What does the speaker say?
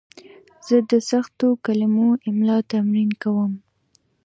زه د سختو کلمو املا تمرین کوم.